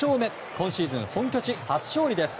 今シーズン本拠地初勝利です。